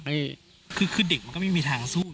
ได้คือเด็กมันก็ไม่มีทางสู้